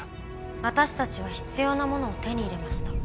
⁉私たちは必要なものを手に入れました。